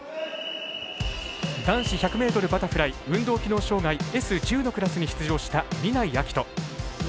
男子１００ｍバタフライ運動機能障がいＳ１０のクラスに出場した南井瑛翔。